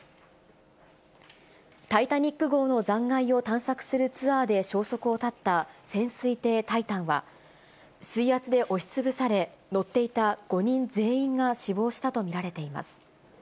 タイタニック号の残骸を探索するツアーで消息を絶った潜水艇タイタンは、水圧で押しつぶされ、乗っていた５人全員が死亡したと見られています。